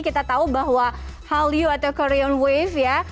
kita tahu bahwa hallyu atau korean wave ya